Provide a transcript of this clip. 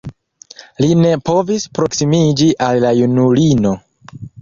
Li ne povis proksimiĝi al la junulino.